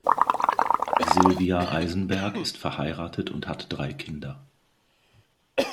Sylvia Eisenberg ist verheiratet und hat drei Kinder.